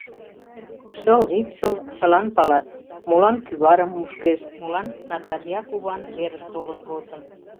Шыл, ит шыл — чылан палат, молан кӱварым мушкеш, молан Натарья куван верыш толын возын.